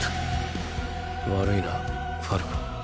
悪いなファルコ。